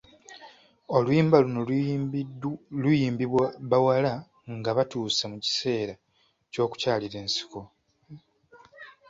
Oluyimba luno luyimbibwa bawala nga batuuse mu kiseera ky’okukyalira ensiko.